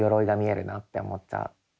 なって思っちゃう。